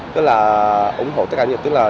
tức là ủng hộ tất cả doanh nghiệp